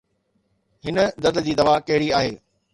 هن درد جي دوا ڪهڙي آهي؟